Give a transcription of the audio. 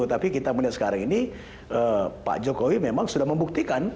tapi kita melihat sekarang ini pak jokowi memang sudah membuktikan